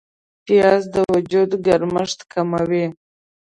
پیاز د وجود ګرمښت کموي